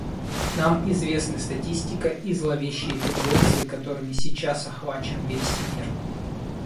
Нам известны статистика и зловещие тенденции, которыми сейчас охвачен весь мир.